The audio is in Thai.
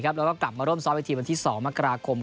แล้วก็กลับมาร่วมซ้อมอีกทีวันที่๒มกราคม